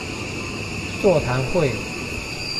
座談會